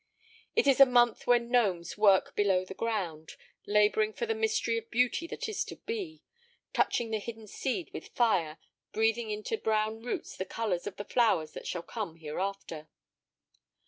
It is a month when gnomes work below the ground, laboring for the mystery of beauty that is to be, touching the hidden seed with fire, breathing into brown roots the colors of the flowers that shall come hereafter.